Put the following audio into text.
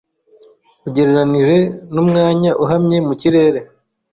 ugereranije nu mwanya uhamye mu kirere